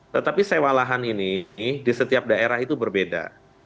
tetapi sewa lahan ini di setiap daerah itu berbeda